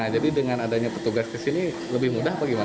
jadi dengan adanya petugas kesini lebih mudah apa gimana